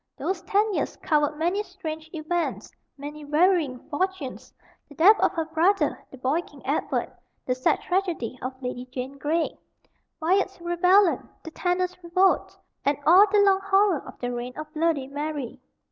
Those ten years covered many strange events, many varying fortunes the death of her brother, the boy King Edward, the sad tragedy of Lady Jane Grey, Wyatt's rebellion, the tanner's revolt, and all the long horror of the reign of "Bloody Mary."